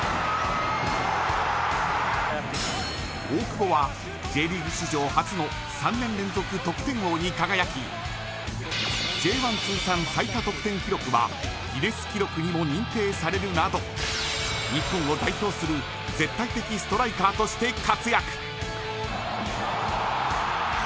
大久保はＪリーグ史上初の３年連続得点王に輝きＪ１通算最多得点記録はギネス記録にも認定されるなど日本を代表する絶対的ストライカーとして活躍。